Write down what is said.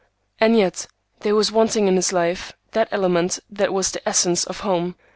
And yet, there was wanting to his life that element that was the essence of home.